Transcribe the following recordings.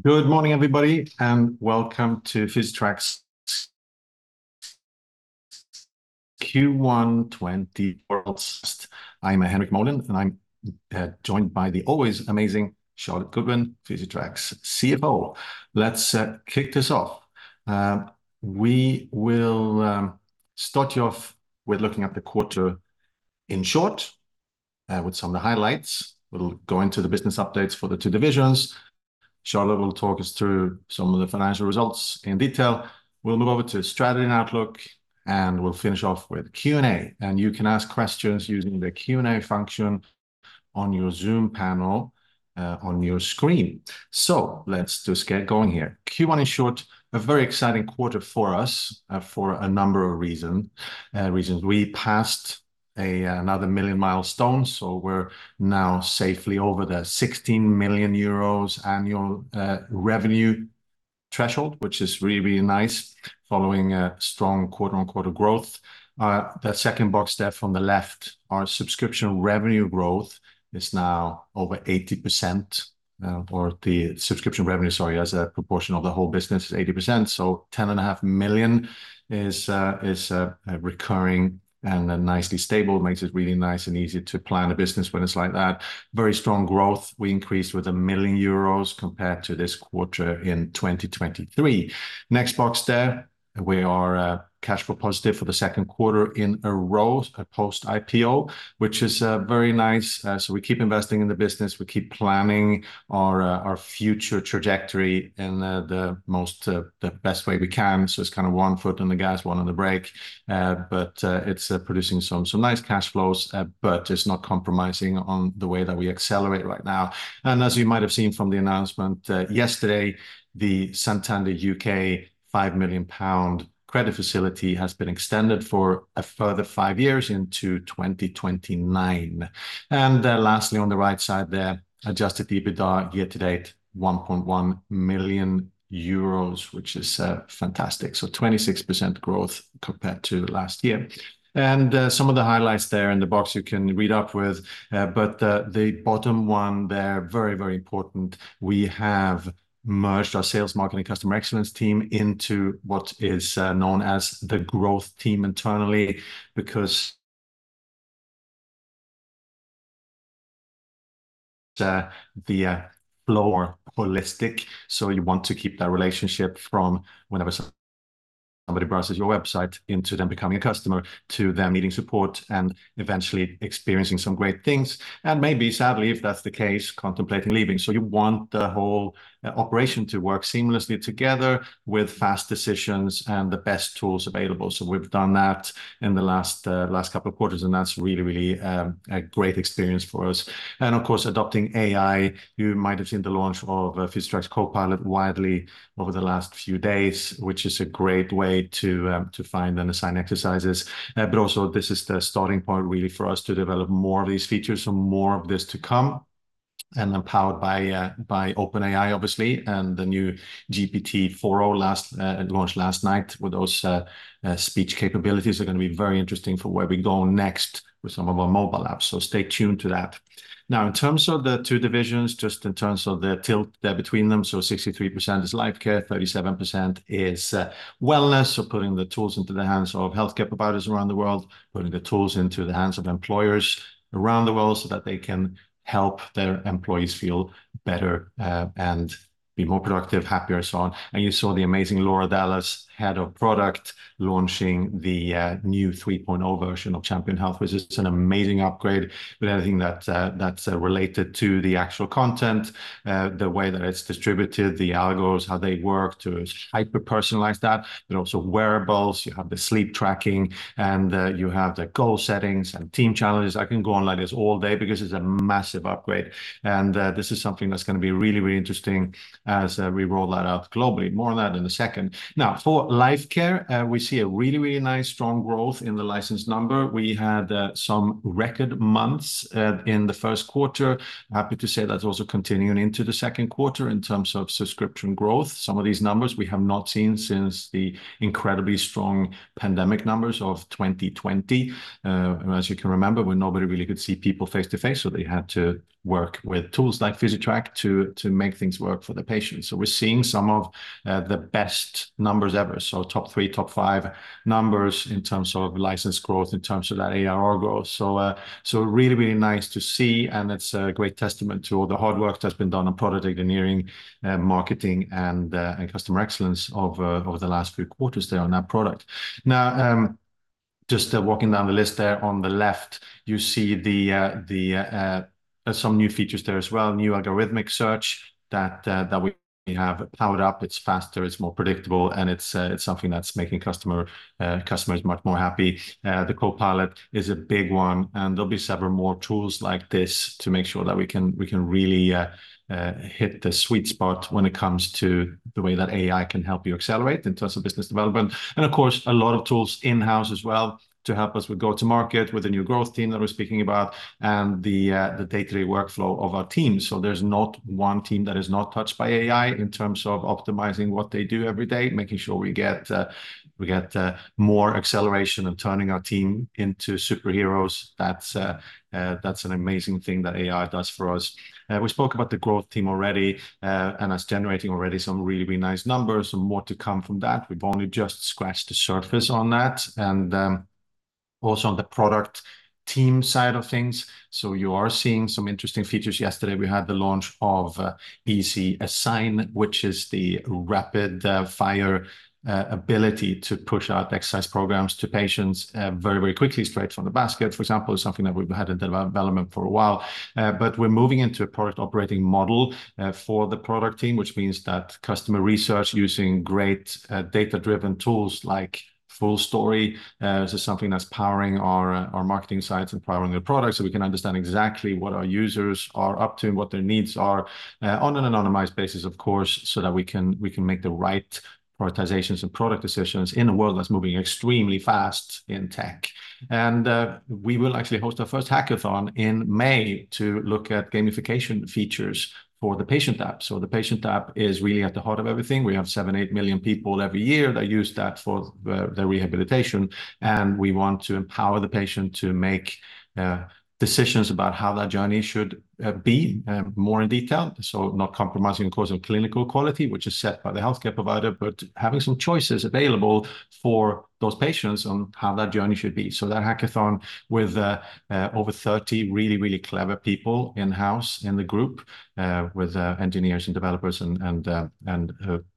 Good morning, everybody, and welcome to Physitrack's Q1 2024 Worldcast. I'm Henrik Molin, and I'm joined by the always amazing Charlotte Goodwin, Physitrack's CFO. Let's kick this off. We will start you off with looking at the quarter in short, with some of the highlights. We'll go into the business updates for the two divisions. Charlotte will talk us through some of the financial results in detail. We'll move over to strategy and outlook, and we'll finish off with Q&A. And you can ask questions using the Q&A function on your Zoom panel, on your screen. So let's just get going here. Q1 in short: a very exciting quarter for us for a number of reasons. We passed another million milestone, so we're now safely over the 16 million euros annual revenue threshold, which is really, really nice following strong quarter-on-quarter growth. That second box there on the left, our subscription revenue growth, is now over 80%. Or the subscription revenue, sorry, as a proportion of the whole business is 80%. So 10.5 million is recurring and nicely stable. Makes it really nice and easy to plan a business when it's like that. Very strong growth. We increased with 1 million euros compared to this quarter in 2023. Next box there: we are cash flow positive for the second quarter in a row post-IPO, which is very nice. So we keep investing in the business. We keep planning our future trajectory in the best way we can. So it's kind of one foot on the gas, one on the brake. But it's producing some nice cash flows, but it's not compromising on the way that we accelerate right now. As you might have seen from the announcement yesterday, the Santander UK 5 million pound credit facility has been extended for a further five years into 2029. Lastly, on the right side there, Adjusted EBITDA year-to-date 1.1 million euros, which is fantastic. 26% growth compared to last year. Some of the highlights there in the box you can read up with. But the bottom one there, very, very important: we have merged our sales, marketing, customer excellence team into what is known as the growth team internally because the flow is more holistic. You want to keep that relationship from whenever somebody browses your website into them becoming a customer to them needing support and eventually experiencing some great things. And maybe, sadly, if that's the case, contemplating leaving. You want the whole operation to work seamlessly together with fast decisions and the best tools available. So we've done that in the last couple of quarters, and that's really, really a great experience for us. And of course, adopting AI: you might have seen the launch of Physitrack's Copilot widely over the last few days, which is a great way to find and assign exercises. But also, this is the starting point, really, for us to develop more of these features. So more of this to come. And then powered by OpenAI, obviously, and the new GPT-4.0 launched last night with those speech capabilities are going to be very interesting for where we go next with some of our mobile apps. So stay tuned to that. Now, in terms of the two divisions, just in terms of the tilt there between them, so 63% is Life Care, 37% is Wellness. So putting the tools into the hands of healthcare providers around the world, putting the tools into the hands of employers around the world so that they can help their employees feel better and be more productive, happier, and so on. And you saw the amazing Laura Dallas, Head of Product, launching the new 3.0 version of Champion Health, which is an amazing upgrade. But anything that's related to the actual content, the way that it's distributed, the algos, how they work to hyper-personalize that, but also wearables. You have the sleep tracking, and you have the goal settings and team challenges. I can go on like this all day because it's a massive upgrade. And this is something that's going to be really, really interesting as we roll that out globally. More on that in a second. Now, for Life Care, we see a really, really nice strong growth in the license number. We had some record months in the first quarter. Happy to say that's also continuing into the second quarter in terms of subscription growth. Some of these numbers we have not seen since the incredibly strong pandemic numbers of 2020. As you can remember, when nobody really could see people face-to-face, so they had to work with tools like Physitrack to make things work for the patients. So we're seeing some of the best numbers ever. So top three, top five numbers in terms of license growth, in terms of that ARR growth. So really, really nice to see, and it's a great testament to all the hard work that's been done on product engineering, marketing, and customer excellence over the last few quarters there on that product. Now, just walking down the list there on the left, you see some new features there as well. New algorithmic search that we have powered up. It's faster. It's more predictable. And it's something that's making customers much more happy. The Copilot is a big one, and there'll be several more tools like this to make sure that we can really hit the sweet spot when it comes to the way that AI can help you accelerate in terms of business development. And of course, a lot of tools in-house as well to help us with go-to-market with the new growth team that we're speaking about and the day-to-day workflow of our team. So there's not one team that is not touched by AI in terms of optimizing what they do every day, making sure we get more acceleration and turning our team into superheroes. That's an amazing thing that AI does for us. We spoke about the growth team already and us generating already some really, really nice numbers. Some more to come from that. We've only just scratched the surface on that and also on the product team side of things. So you are seeing some interesting features. Yesterday, we had the launch of EasyAssign, which is the rapid-fire ability to push out exercise programs to patients very, very quickly, straight from the basket, for example. It's something that we've had in development for a while. We're moving into a product operating model for the product team, which means that customer research using great data-driven tools like FullStory is something that's powering our marketing sites and powering the product so we can understand exactly what our users are up to and what their needs are on an anonymized basis, of course, so that we can make the right prioritizations and product decisions in a world that's moving extremely fast in tech. We will actually host our first hackathon in May to look at gamification features for the patient app. The patient app is really at the heart of everything. We have 7-8 million people every year that use that for their rehabilitation. We want to empower the patient to make decisions about how that journey should be more in detail, so not compromising, of course, on clinical quality, which is set by the healthcare provider, but having some choices available for those patients on how that journey should be. So that hackathon with over 30 really, really clever people in-house in the group with engineers and developers and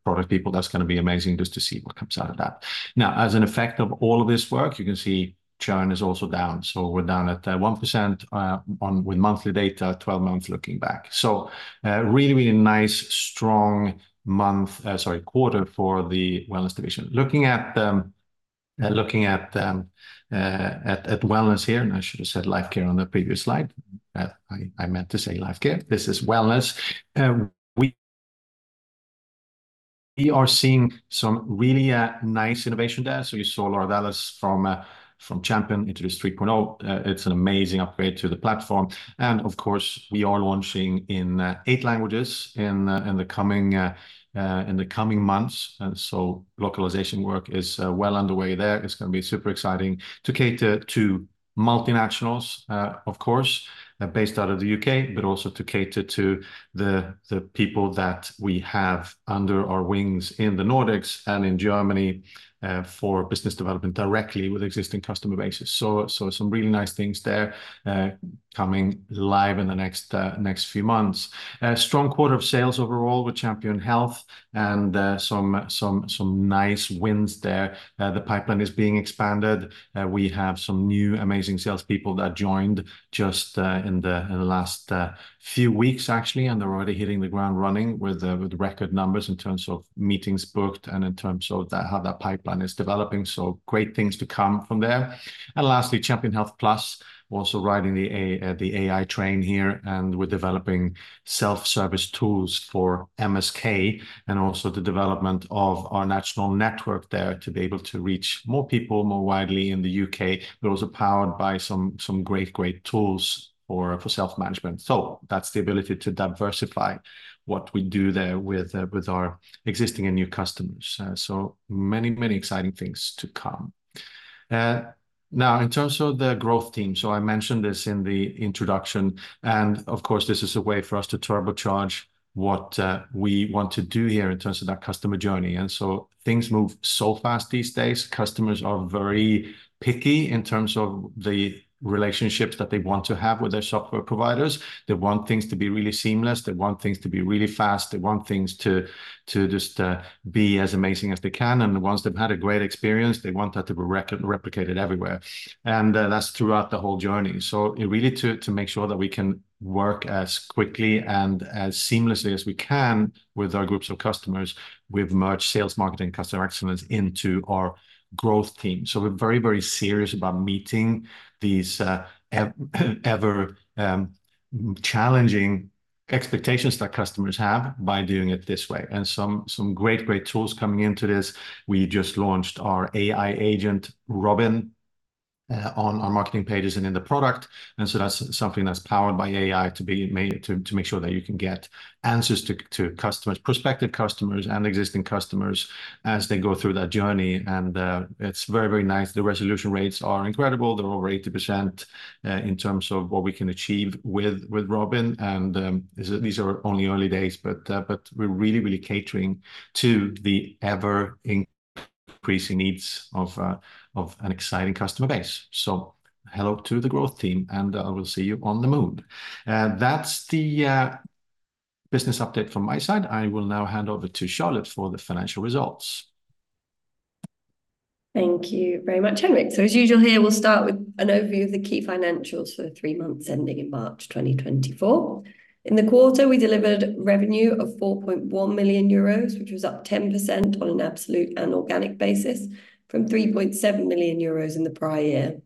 product people, that's going to be amazing just to see what comes out of that. Now, as an effect of all of this work, you can see churn is also down. So we're down at 1% with monthly data, 12 months looking back. So really, really nice strong month, sorry, quarter for the Wellness division. Looking at Wellness here, and I should have said Life Care on the previous slide. I meant to say Life Care. This is Wellness. We are seeing some really nice innovation there. So you saw Laura Dallas from Champion Health introduce 3.0. It's an amazing upgrade to the platform. And of course, we are launching in eight languages in the coming months. So localization work is well underway there. It's going to be super exciting to cater to multinationals, of course, based out of the U.K., but also to cater to the people that we have under our wings in the Nordics and in Germany for business development directly with existing customer bases. So some really nice things there coming live in the next few months. Strong quarter of sales overall with Champion Health and some nice wins there. The pipeline is being expanded. We have some new amazing salespeople that joined just in the last few weeks, actually, and they're already hitting the ground running with record numbers in terms of meetings booked and in terms of how that pipeline is developing. So great things to come from there. And lastly, Champion Health Plus also riding the AI train here and we're developing self-service tools for MSK and also the development of our national network there to be able to reach more people more widely in the U.K., but also powered by some great, great tools for self-management. So that's the ability to diversify what we do there with our existing and new customers. So many, many exciting things to come. Now, in terms of the growth team, so I mentioned this in the introduction. Of course, this is a way for us to turbocharge what we want to do here in terms of that customer journey. So things move so fast these days. Customers are very picky in terms of the relationships that they want to have with their software providers. They want things to be really seamless. They want things to be really fast. They want things to just be as amazing as they can. And once they've had a great experience, they want that to be replicated everywhere. And that's throughout the whole journey. So really to make sure that we can work as quickly and as seamlessly as we can with our groups of customers, we've merged sales, marketing, customer excellence into our growth team. So we're very, very serious about meeting these ever-challenging expectations that customers have by doing it this way. And some great, great tools coming into this. We just launched our AI agent, Robin, on our marketing pages and in the product. And so that's something that's powered by AI to make sure that you can get answers to prospective customers and existing customers as they go through that journey. And it's very, very nice. The resolution rates are incredible. They're over 80% in terms of what we can achieve with Robin. And these are only early days, but we're really, really catering to the ever-increasing needs of an exciting customer base. So hello to the growth team, and I will see you on the moon. That's the business update from my side. I will now hand over to Charlotte for the financial results. Thank you very much, Henrik. As usual here, we'll start with an overview of the key financials for the three months ending in March 2024. In the quarter, we delivered revenue of 4.1 million euros, which was up 10% on an absolute and organic basis from 3.7 million euros in the prior year.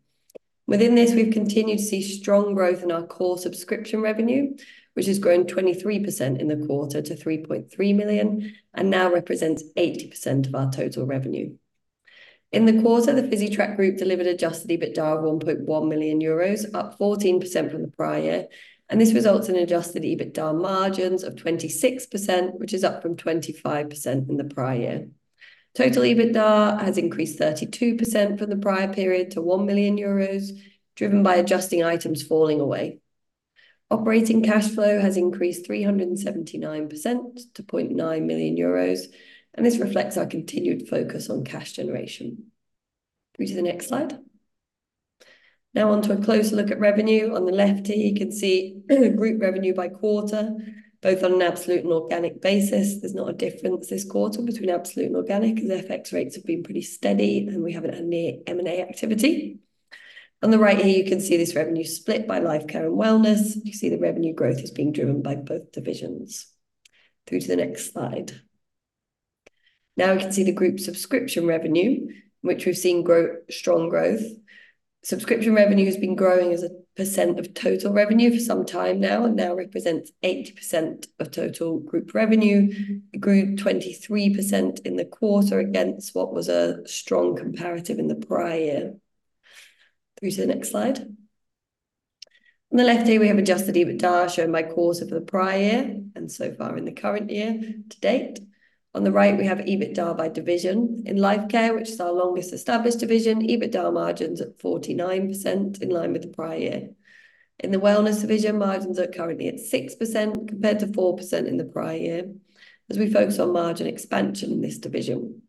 Within this, we've continued to see strong growth in our core subscription revenue, which has grown 23% in the quarter to 3.3 million and now represents 80% of our total revenue. In the quarter, the Physitrack group delivered adjusted EBITDA of 1.1 million euros, up 14% from the prior year. This results in adjusted EBITDA margins of 26%, which is up from 25% in the prior year. Total EBITDA has increased 32% from the prior period to 1 million euros, driven by adjusting items falling away. Operating cash flow has increased 379% to 0.9 million euros. This reflects our continued focus on cash generation. Moving to the next slide. Now, on to a closer look at revenue. On the left here, you can see group revenue by quarter, both on an absolute and organic basis. There's not a difference this quarter between absolute and organic because FX rates have been pretty steady, and we haven't had near M&A activity. On the right here, you can see this revenue split by Life Care and Wellness. You see the revenue growth is being driven by both divisions. Through to the next slide. Now we can see the group subscription revenue, which we've seen strong growth. Subscription revenue has been growing as a percent of total revenue for some time now and now represents 80% of total group revenue, grew 23% in the quarter against what was a strong comparative in the prior year. Through to the next slide. On the left here, we have Adjusted EBITDA shown by quarter for the prior year and so far in the current year to date. On the right, we have EBITDA by division in Life Care, which is our longest established division. EBITDA margins at 49% in line with the prior year. In the Wellness division, margins are currently at 6% compared to 4% in the prior year as we focus on margin expansion in this division.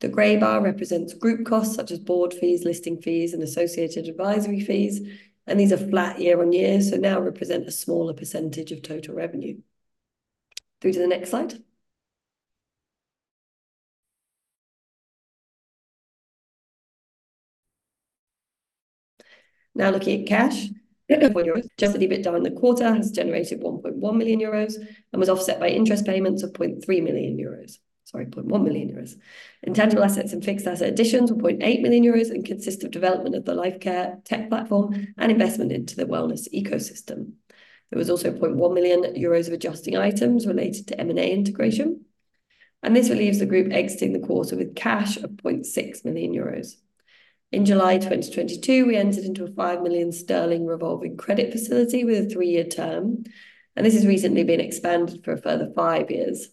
The gray bar represents group costs such as board fees, listing fees, and associated advisory fees. These are flat year-on-year, so now represent a smaller percentage of total revenue. Through to the next slide. Now looking at cash. Adjusted EBITDA in the quarter has generated 1.1 million euros and was offset by interest payments of 0.3 million euros. Sorry, 0.1 million euros. Intangible assets and fixed asset additions were 0.8 million euros and consist of development of the Life Care tech platform and investment into the Wellness ecosystem. There was also 0.1 million euros of adjusting items related to M&A integration. This leaves the group exiting the quarter with cash of 0.6 million euros. In July 2022, we entered into a 5 million sterling revolving credit facility with a three-year term. This has recently been expanded for a further five years.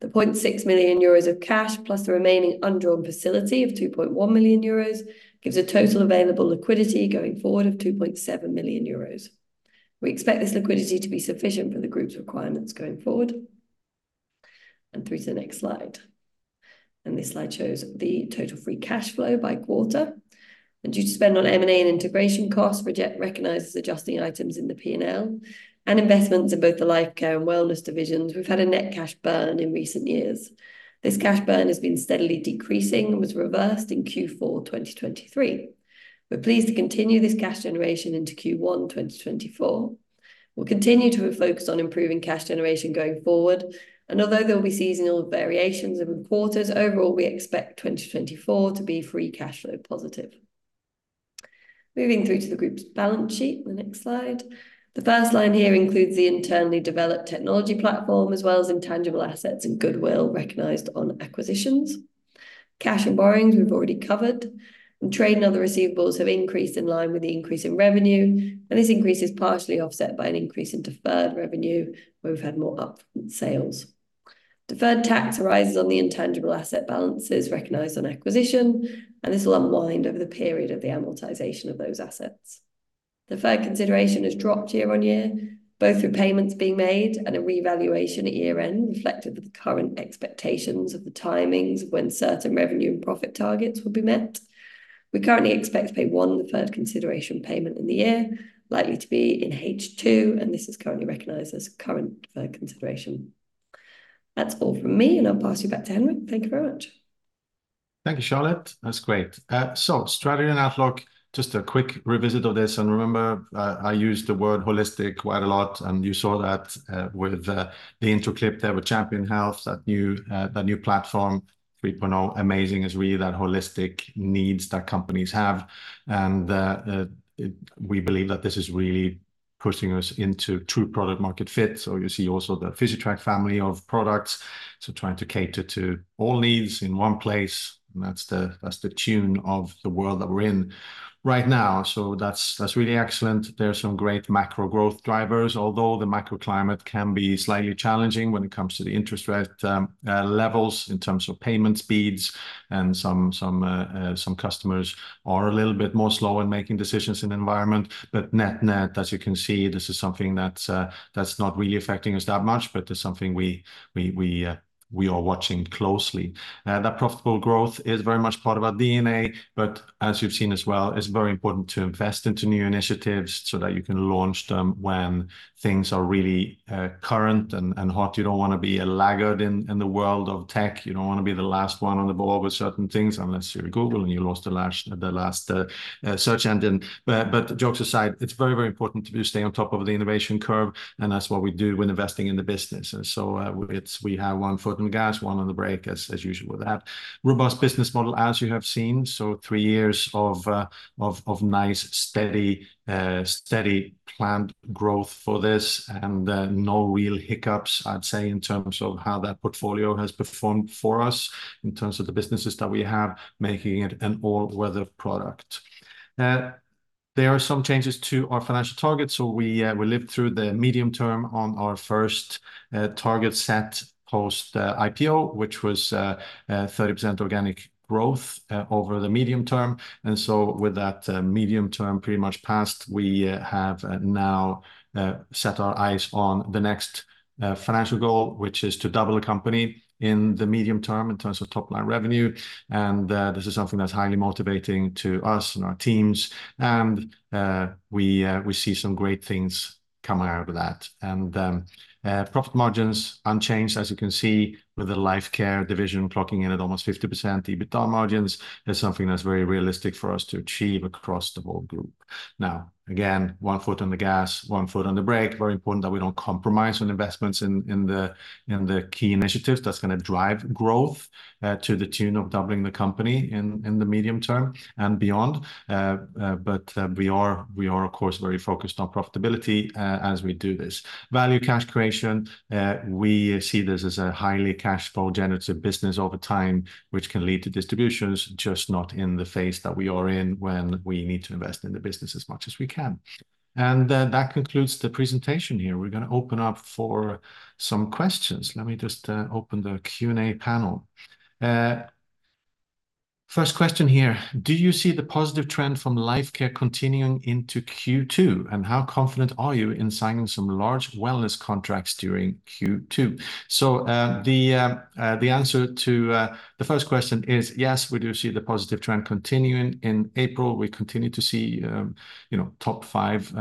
The 0.6 million euros of cash plus the remaining undrawn facility of 2.1 million euros gives a total available liquidity going forward of 2.7 million euros. We expect this liquidity to be sufficient for the group's requirements going forward. Through to the next slide. This slide shows the total free cash flow by quarter. Due to spend on M&A and integration costs, Rajet recognizes adjusting items in the P&L and investments in both the Life Care and Wellness divisions. We've had a net cash burn in recent years. This cash burn has been steadily decreasing and was reversed in Q4 2023. We're pleased to continue this cash generation into Q1 2024. We'll continue to focus on improving cash generation going forward. And although there will be seasonal variations in quarters, overall, we expect 2024 to be Free Cash Flow positive. Moving through to the group's balance sheet, the next slide. The first line here includes the internally developed technology platform as well as intangible assets and goodwill recognized on acquisitions. Cash and borrowings we've already covered. Trade and other receivables have increased in line with the increase in revenue. This increase is partially offset by an increase in deferred revenue where we've had more up sales. Deferred tax arises on the intangible asset balances recognized on acquisition. This will unwind over the period of the amortization of those assets. The third consideration has dropped year-on-year, both through payments being made and a revaluation at year-end reflected the current expectations of the timings when certain revenue and profit targets would be met. We currently expect to pay one third consideration payment in the year, likely to be in H2, and this is currently recognized as current third consideration. That's all from me, and I'll pass you back to Henrik. Thank you very much. Thank you, Charlotte. That's great. So strategy and outlook, just a quick revisit of this. And remember, I used the word holistic quite a lot, and you saw that with the intro clip there with Champion Health, that new platform 3.0, amazing is really that holistic needs that companies have. And we believe that this is really pushing us into true product-market fit. So you see also the Physitrack family of products. So trying to cater to all needs in one place. And that's the tune of the world that we're in right now. So that's really excellent. There are some great macro growth drivers, although the macro climate can be slightly challenging when it comes to the interest rate levels in terms of payment speeds. And some customers are a little bit more slow in making decisions in the environment. But net-net, as you can see, this is something that's not really affecting us that much, but it's something we are watching closely. That profitable growth is very much part of our DNA, but as you've seen as well, it's very important to invest into new initiatives so that you can launch them when things are really current and hot. You don't want to be a laggard in the world of tech. You don't want to be the last one on the ball with certain things unless you're at Google and you lost the last search engine. But jokes aside, it's very, very important to stay on top of the innovation curve. And that's what we do when investing in the business. And so we have one foot on the gas, one on the brake as usual with that. Robust business model as you have seen. So 3 years of nice, steady planned growth for this and no real hiccups, I'd say, in terms of how that portfolio has performed for us in terms of the businesses that we have, making it an all-weather product. There are some changes to our financial targets. So we lived through the medium term on our first target set post-IPO, which was 30% organic growth over the medium term. And so with that medium term pretty much past, we have now set our eyes on the next financial goal, which is to double a company in the medium term in terms of top-line revenue. And this is something that's highly motivating to us and our teams. And we see some great things coming out of that. And profit margins unchanged, as you can see, with the Life Care division clocking in at almost 50%. EBITDA margins is something that's very realistic for us to achieve across the whole group. Now, again, one foot on the gas, one foot on the brake. Very important that we don't compromise on investments in the key initiatives that's going to drive growth to the tune of doubling the company in the medium term and beyond. But we are, of course, very focused on profitability as we do this. Value cash creation, we see this as a highly cash flow-generative business over time, which can lead to distributions, just not in the phase that we are in when we need to invest in the business as much as we can. And that concludes the presentation here. We're going to open up for some questions. Let me just open the Q&A panel. First question here. Do you see the positive trend from Life Care continuing into Q2? How confident are you in signing some large Wellness contracts during Q2? So the answer to the first question is yes, we do see the positive trend continuing in April. We continue to see top five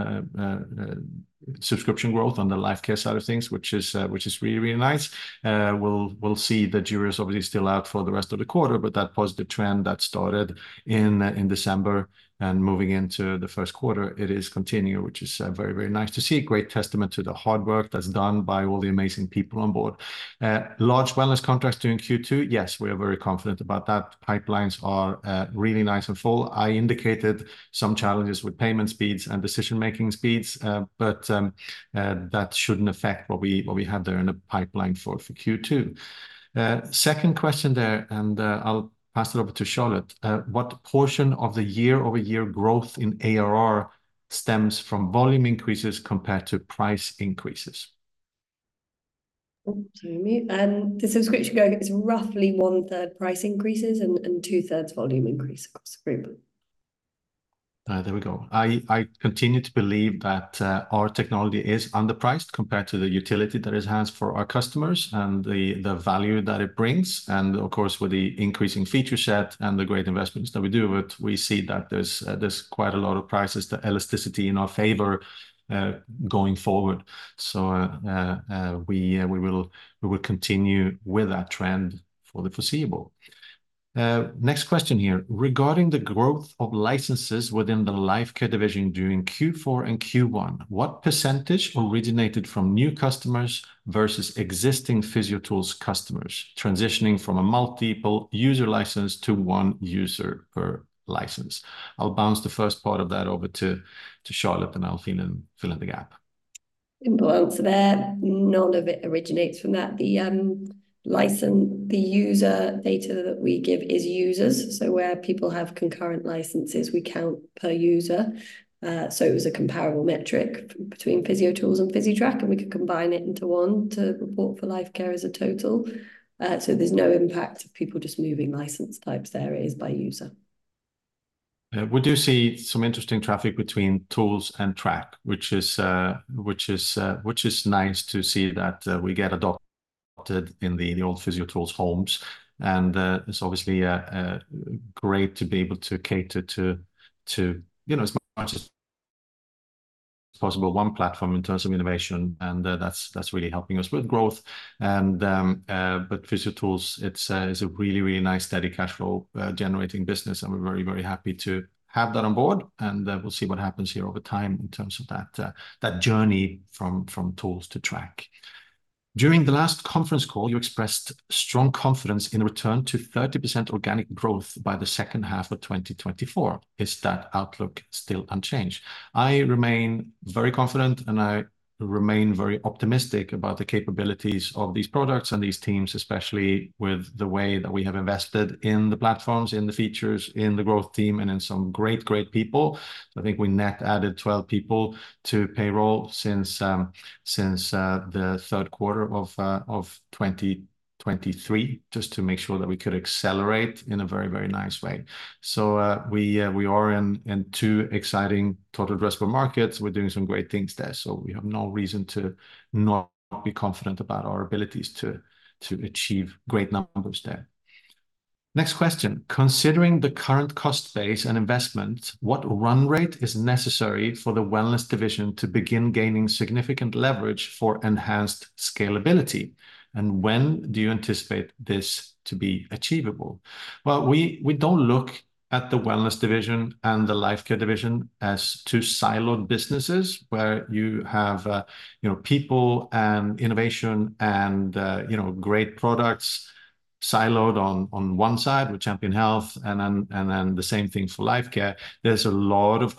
subscription growth on the Life Care side of things, which is really, really nice. We'll see the jury's obviously still out for the rest of the quarter, but that positive trend that started in December and moving into the first quarter, it is continuing, which is very, very nice to see. Great testament to the hard work that's done by all the amazing people on board. Large Wellness contracts during Q2, yes, we are very confident about that. Pipelines are really nice and full. I indicated some challenges with payment speeds and decision-making speeds, but that shouldn't affect what we have there in the pipeline for Q2. Second question there, and I'll pass it over to Charlotte. What portion of the year-over-year growth in ARR stems from volume increases compared to price increases? Jamie, the subscription going is roughly 1/3 price increases and 2/3 volume increase across the group. There we go. I continue to believe that our technology is underpriced compared to the utility that it has for our customers and the value that it brings. And of course, with the increasing feature set and the great investments that we do with it, we see that there's quite a lot of prices, the elasticity in our favor going forward. So we will continue with that trend for the foreseeable. Next question here. Regarding the growth of licenses within the Life Care division during Q4 and Q1, what percentage originated from new customers versus existing Physiotools customers transitioning from a multiple user license to one user per license? I'll bounce the first part of that over to Charlotte and I'll fill in the gap. Important to there. None of it originates from that. The user data that we give is users. So where people have concurrent licenses, we count per user. So it was a comparable metric between Physiotools and Physitrack, and we could combine it into one to report for Life Care as a total. So there's no impact of people just moving license types there is by user. We do see some interesting traffic between tools and track, which is nice to see that we get adopted in the old PhysioTools homes. It's obviously great to be able to cater to as much as possible one platform in terms of innovation. That's really helping us with growth. But PhysioTools, it's a really, really nice, steady cash flow-generating business. We're very, very happy to have that on board. We'll see what happens here over time in terms of that journey from tools to track. During the last conference call, you expressed strong confidence in return to 30% organic growth by the second half of 2024. Is that outlook still unchanged? I remain very confident, and I remain very optimistic about the capabilities of these products and these teams, especially with the way that we have invested in the platforms, in the features, in the growth team, and in some great, great people. I think we net added 12 people to payroll since the third quarter of 2023, just to make sure that we could accelerate in a very, very nice way. So we are in two exciting total addressable markets. We're doing some great things there. So we have no reason to not be confident about our abilities to achieve great numbers there. Next question. Considering the current cost base and investments, what run rate is necessary for the Wellness division to begin gaining significant leverage for enhanced scalability? And when do you anticipate this to be achievable? Well, we don't look at the wellness division and the life care division as two siloed businesses where you have people and innovation and great products siloed on one side with Champion Health and then the same thing for life care. There's a lot of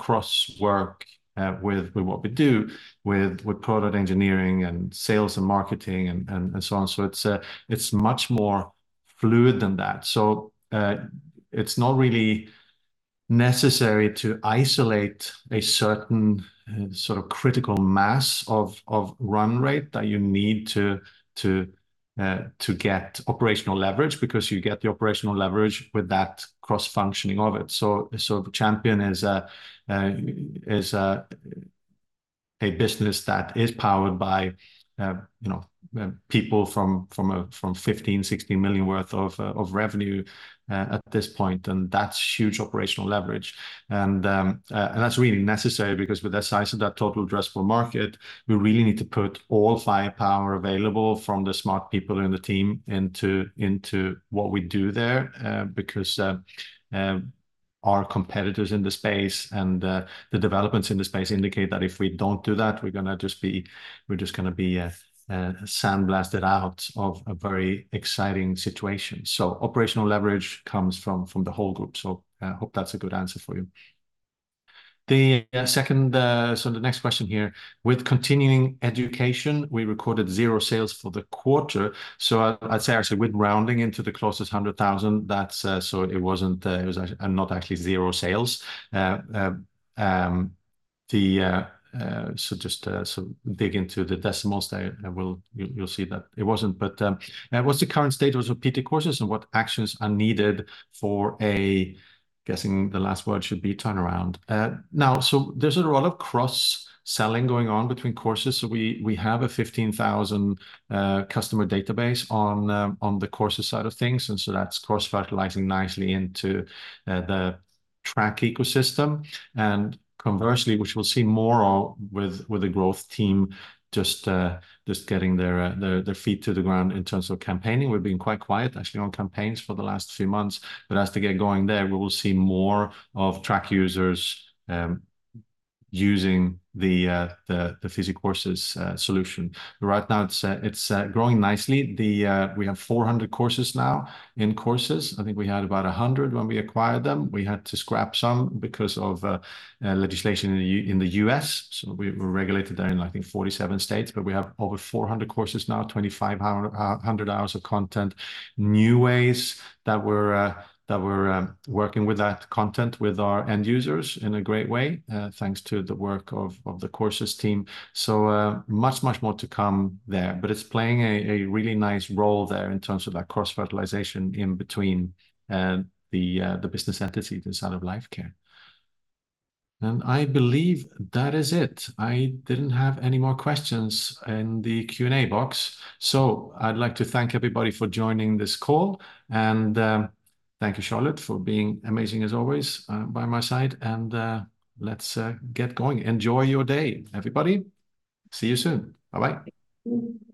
crosswork with what we do with product engineering and sales and marketing and so on. So it's much more fluid than that. So it's not really necessary to isolate a certain sort of critical mass of run rate that you need to get operational leverage because you get the operational leverage with that cross-functioning of it. So Champion is a business that is powered by people from 15-16 million worth of revenue at this point. And that's huge operational leverage. That's really necessary because with the size of that total addressable market, we really need to put all firepower available from the smart people in the team into what we do there because our competitors in the space and the developments in the space indicate that if we don't do that, we're just going to be sandblasted out of a very exciting situation. Operational leverage comes from the whole group. I hope that's a good answer for you. The second, the next question here. With continuing education, we recorded 0 sales for the quarter. I'd say actually with rounding into the closest 100,000, that's it was not actually 0 sales. Just dig into the decimals, you'll see that it wasn't. But what's the current status of PT Courses and what actions are needed for a turnaround. Now, so there's a lot of cross-selling going on between courses. So we have a 15,000 customer database on the courses side of things. And so that's cross-fertilizing nicely into the track ecosystem. And conversely, which we'll see more of with the growth team just getting their feet to the ground in terms of campaigning. We've been quite quiet actually on campaigns for the last few months. But as we get going there, we will see more of track users using the PhysioCourses solution. Right now, it's growing nicely. We have 400 courses now in courses. I think we had about 100 when we acquired them. We had to scrap some because of legislation in the U.S. So we were regulated there in, I think, 47 states. But we have over 400 courses now, 2,500 hours of content, new ways that we're working with that content with our end users in a great way, thanks to the work of the courses team. So much, much more to come there. But it's playing a really nice role there in terms of that cross-fertilization in between the business entities inside of Life Care. And I believe that is it. I didn't have any more questions in the Q&A box. So I'd like to thank everybody for joining this call. And thank you, Charlotte, for being amazing as always by my side. And let's get going. Enjoy your day, everybody. See you soon. Bye-bye.